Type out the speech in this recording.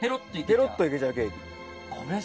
ペロッといけちゃうケーキ。